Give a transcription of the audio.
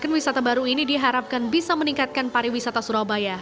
wisata baru ini diharapkan bisa meningkatkan pariwisata surabaya